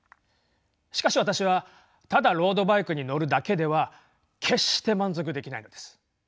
しかし私はただロードバイクに乗るだけでは決して満足できないのです。